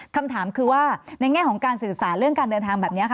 คำถามคือว่าในแง่ของการสื่อสารเรื่องการเดินทางแบบนี้ค่ะ